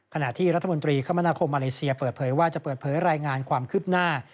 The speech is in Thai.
ขณะที่รัฐมนตรีคมนาคมมาเลเซียเปิดเผยว่าจะเปิดเผยรายงานความคืบหน้า